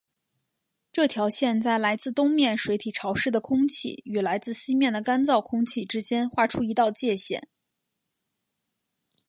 这条线在来自东面水体潮湿的空气与来自西面的干燥空气之间划出一道界限。